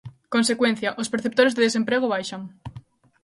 Consecuencia: os perceptores de desemprego baixan.